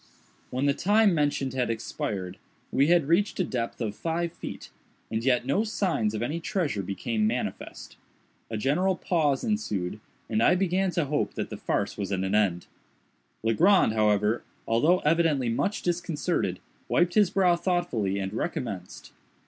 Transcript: When the time mentioned had expired, we had reached a depth of five feet, and yet no signs of any treasure became manifest. A general pause ensued, and I began to hope that the farce was at an end. Legrand, however, although evidently much disconcerted, wiped his brow thoughtfully and recommenced.